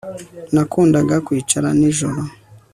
Nakundaga kwicara nijoro